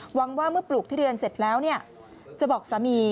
หวังว่าเมื่อปลูกทุเรียนเสร็จแล้วจะบอกสามี